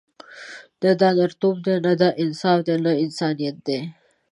نه دا نرتوب دی، نه دا انصاف دی، نه انسانیت دی.